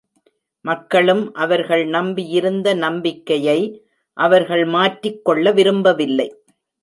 மக்களும் அவர்கள் நம்பியிருந்த நம்பிக்கையை அவர்கள் மாற்றிக் கொள்ள விரும்பவில்லை.